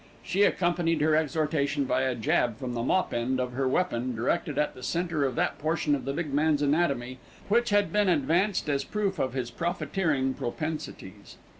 She accompanied her exhortation by a jab from the mop end of her weapon directed at the centre of that portion of the big man's anatomy which had been advanced as proof of his profiteering propensities.